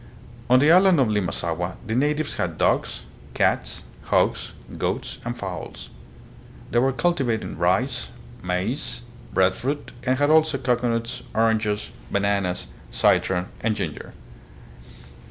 On the island of Limasaua the natives had dogs, cats, hogs, goats, and fowls. They were cultivating rice, maize, breadfruit, and had also cocoanuts, oranges, bananas, citron, and ginger.